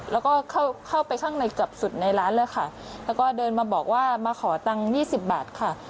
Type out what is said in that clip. แล้วก็เข้าไปข้างในเกือบสุดในร้านเลยค่ะแล้วก็เดินมาบอกว่ามาขอตังค์๒๐บาทค่ะ